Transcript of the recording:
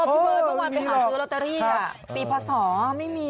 พี่เบิร์ตเมื่อวานไปหาซื้อลอตเตอรี่ปีพศไม่มี